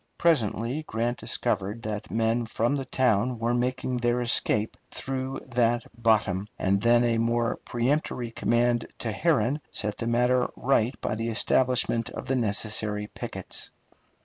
Presently Grant discovered that men from the town were making their escape through that bottom, and then a more peremptory command to Herron set the matter right by the establishment of the necessary pickets.